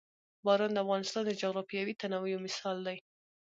باران د افغانستان د جغرافیوي تنوع یو مثال دی.